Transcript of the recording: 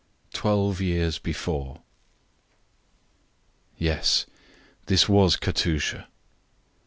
TWELVE YEARS BEFORE. "Yes, this was Katusha."